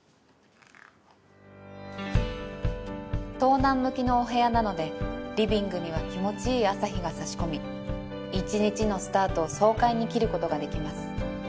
「東南向きのお部屋なのでリビングには気持ちいい朝日が差し込み１日のスタートを爽快にきることができます」